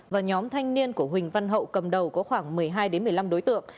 và nhóm thanh niên của huỳnh văn hậu cầm đầu có khoảng một mươi hai một mươi năm đối tượng